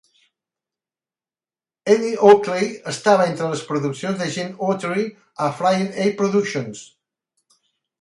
"Annie Oakley" estava entre les produccions de Gene Autry a Flying A Productions.